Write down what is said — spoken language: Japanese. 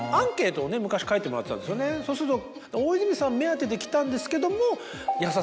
そうすると。